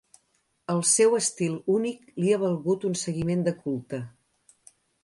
El seu estil únic li ha valgut un seguiment de culte.